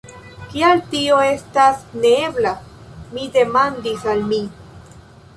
"Kial tio estas neebla?" mi demandis al mi.